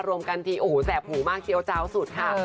รวมกันทีโอ้โหแสบหูมากเคี้ยวเจ้าสุดค่ะ